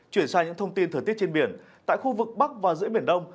chuyển sang những thông tin thời tiết trên biển tại khu vực bắc và giữa biển đông